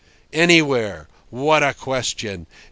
"Anywhere. What a question!